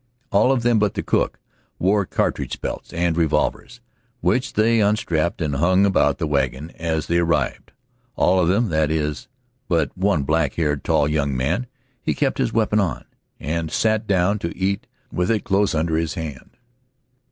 All of them but the cook wore cartridge belts and revolvers, which they unstrapped and hung about the wagon as they arrived. All of them, that is, but one black haired, tall young man. He kept his weapon on, and sat down to eat with it close under his hand.